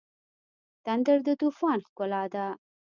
تندر د طوفان ښکلا ده.